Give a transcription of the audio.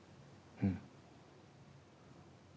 うん。